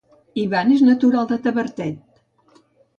Ivan és natural de Tavertet